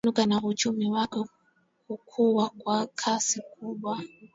Mji ulianza kupanuka na uchumi wake kukua kwa kasi kubwa